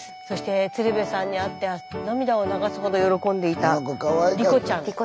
そして鶴瓶さんに会って涙を流すほど喜んでいた梨心ちゃん。